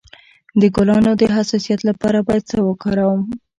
د ګلانو د حساسیت لپاره باید څه وکاروم؟